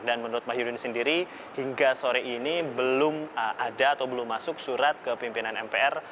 dan menurut mahyudin sendiri hingga sore ini belum ada atau belum masuk surat ke pimpinan mpr